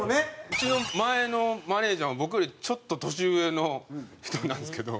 うちの前のマネージャーも僕よりちょっと年上の人なんですけど。